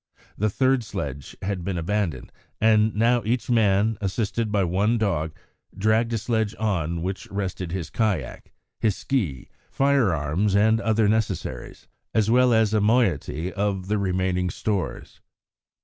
The third sledge had been abandoned, and now each man, assisted by one dog, dragged a sledge on which rested his kayak, his ski, firearms, and other necessaries, as well as a moiety of the remaining stores.